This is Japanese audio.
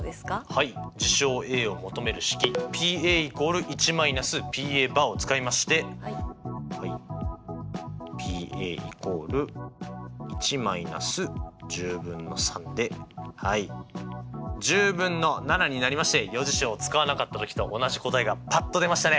はい事象Ａを求める式Ｐ＝１−Ｐを使いましてＰ＝１−１０分の３ではい１０分の７になりまして余事象を使わなかったときと同じ答えがパッと出ましたね！